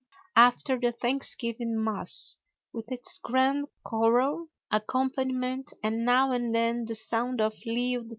After the thanksgiving mass, with its grand choral accompaniment and now and then the sound of Leo XIII.